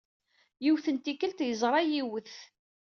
Yiwet n tikkelt, yeẓra yiwet.